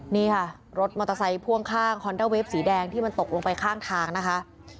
นี่ค่ะรถมอเตอร์ไซค์พ่วงข้างฮอนด้าเวฟสีแดงที่มันตกลงไปข้างทางนะคะ